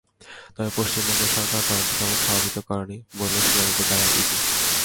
তবে পশ্চিমবঙ্গ সরকার তদন্তে তেমন সহযোগিতা করেনি বলে শুনানিতে জানায় ইডি।